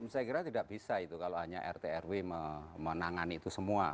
saya kira tidak bisa itu kalau hanya rt rw menangani itu semua